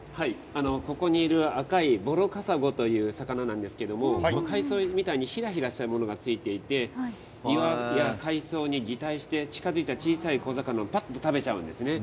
ここにいる赤いボロカサゴという魚なんですけれど海藻みたいにひらひらしているものがついていて岩や海藻に擬態して、近づいた小さい小魚をぱっと食べるんです。